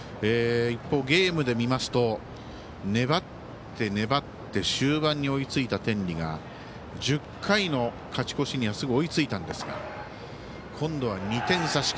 一方、ゲームで見ますと粘って、粘って終盤に追いついた天理が、１０回の勝ち越しにはすぐ追いついたんですが今度は２点差。